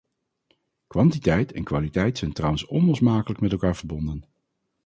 Kwantiteit en kwaliteit zijn trouwens onlosmakelijk met elkaar verbonden.